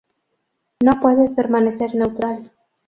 No puedes permanecer neutral.